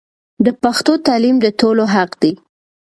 د پښتو تعلیم د ټولو حق دی.